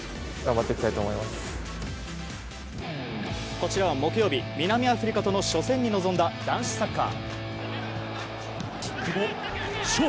こちらは木曜日南アフリカとの初戦に臨んだ男子サッカー。